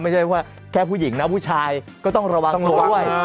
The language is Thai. ไม่ใช่ว่าแค่ผู้หญิงนะผู้ชายก็ต้องระวังตัวด้วย